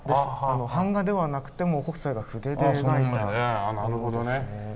版画ではなくてもう北斎が筆で描いた絵ですね。